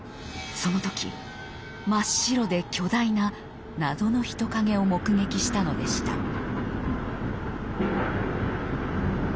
その時真っ白で巨大な謎の人影を目撃したのでした。